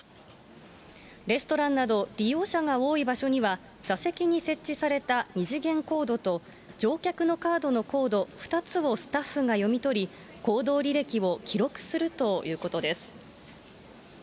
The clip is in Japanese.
レストランなど利用者が多い場所には、座席に設置された二次元コードと乗客のカードのコード２つをスタッフが読み取り、行動履歴を記録するということです。